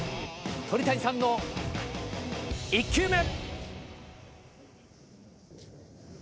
鳥谷さんの１球目。